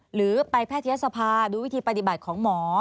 หรือไปแพทยศภาดูวิธีปฏิบัติของหมอ